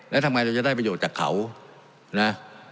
แล้วทำไงเราจะได้ประโยชน์จากเขานะ